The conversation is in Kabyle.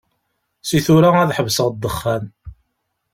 Si tura ad ḥebseɣ ddexxan.